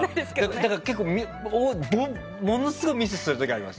だから、ものすごいミスをする時あります。